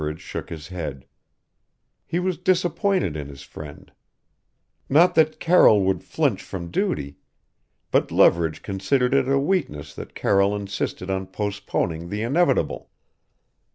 Leverage shook his head. He was disappointed in his friend. Not that Carroll would flinch from duty but Leverage considered it a weakness that Carroll insisted on postponing the inevitable.